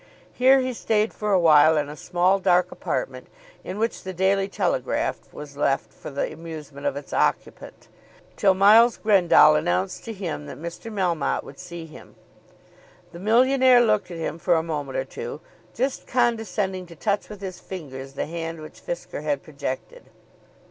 Here he stayed for a while in a small dark apartment in which "The Daily Telegraph" was left for the amusement of its occupant till Miles Grendall announced to him that Mr. Melmotte would see him. The millionaire looked at him for a moment or two, just condescending to touch with his fingers the hand which Fisker had projected.